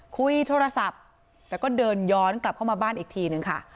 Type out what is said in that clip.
คุยโทรศัพท์แล้วก็เดินย้อนกลับเข้ามาบ้านอีกทีนึงค่ะ